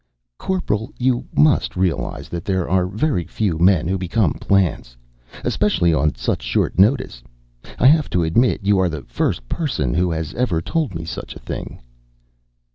"Corporal, you must realize that there are very few men who become plants, especially on such short notice. I have to admit you are the first person who has ever told me such a thing."